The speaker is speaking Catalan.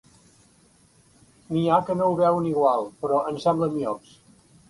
N'hi ha que no ho veuen igual, però em semblen miops.